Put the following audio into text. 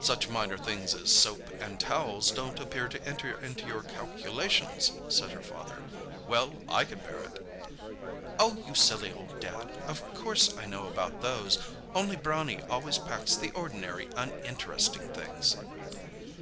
"Such minor things as soap and towels don't appear to enter into your calculations," said her father. "Well I can bear it!" "Oh, you silly old Dad! Of course I know about those. Only Brownie always packs the ordinary, uninteresting things."